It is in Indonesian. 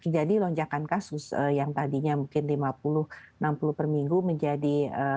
jadi lonjakan kasus yang tadinya mungkin lima puluh enam puluh per minggu menjadi tiga ratus empat ratus